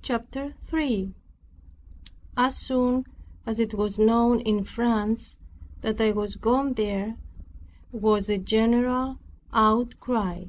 CHAPTER 3 As soon as it was known in France that I was gone there was a general outcry.